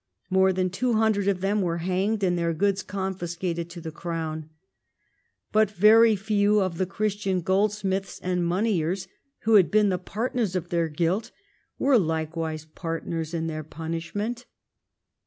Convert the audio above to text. More than two hundred of them were hanged and their goods confiscated to the Crown. But very few of the Christian goldsmiths and moneyers, who had been the partners of their guilt, were likewise partners in their punish ment.